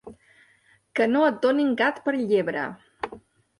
Què no et donin gat per llebre.